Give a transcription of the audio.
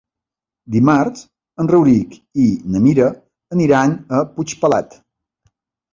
Dimarts en Rauric i na Mira aniran a Puigpelat.